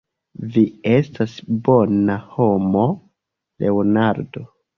Vi estas bona homo, Leonardo.